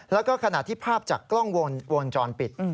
แล้วก็ขณะที่ภาพจากกล้องวงจรปิด